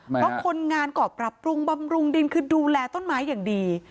เพราะคนงานก็ปรับปรุงบำรุงดินคือดูแลต้นไม้อย่างดี